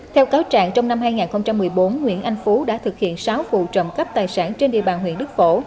theo cáo trạng trong năm hai nghìn một mươi bốn nguyễn anh phú đã thực hiện sáu vụ trộm cắp tài sản trên địa bàn huyện đức phổ